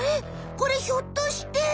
これひょっとして。